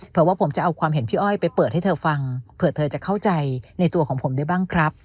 ว่าผมจะเอาความเห็นพี่อ้อยไปเปิดให้เธอฟังเผื่อเธอจะเข้าใจในตัวของผมได้บ้างครับ